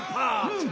うん。